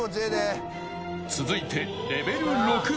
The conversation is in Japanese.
［続いて］